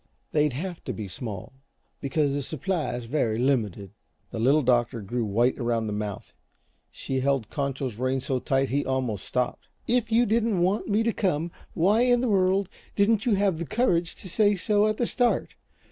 They'd have to be small, because the supply is very limited." The Little Doctor grew white around the mouth. She held Concho's rein so tight he almost stopped. "If you didn't want me to come, why in the world didn't you have the courage to say so at the start?